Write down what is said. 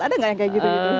ada gak yang kayak gitu